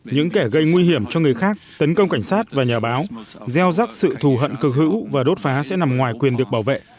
những kẻ gây nguy hiểm cho người khác tấn công cảnh sát và nhà báo gieo rắc sự thù hận cực hữu và đốt phá sẽ nằm ngoài quyền được bảo vệ